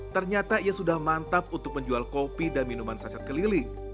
ternyata ia sudah mantap untuk menjual kopi dan minuman saset keliling